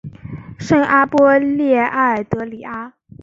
圣阿波利奈尔德里阿。